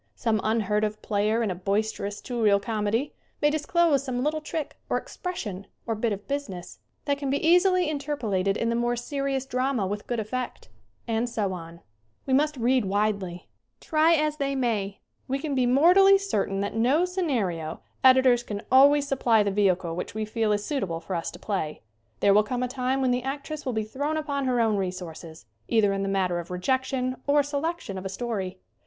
Some unheard of player in a boister ous two reel comedy may disclose some little trick, or expression, or bit of business, that can be easily interpolated in the more serious drama with good effect. And so on. A pair excellent in its screenic balance Gloria Swanson and Thomas Meighan. SCREEN ACTING 107 We must read widely. Try as they may, we can be mortally certain that no scenario editors can always supply the vehicle which we feel is suitable for us to play. There will come a time when the actress will be thrown upon her own resources, either in the matter of re jection or selection of a story.